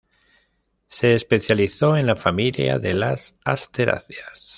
Se especializó en la familia de las asteráceas.